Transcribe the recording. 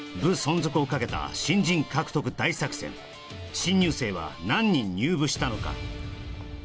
新入生は何人入部したのか？